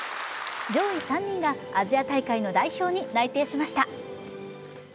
上位３人がアジア大会の代表に内定しました。